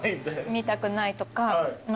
見たくないとか。